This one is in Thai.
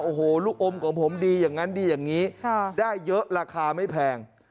โอ้โหลูกอมของผมดีอย่างนั้นดีอย่างนี้ได้เยอะราคาไม่แพง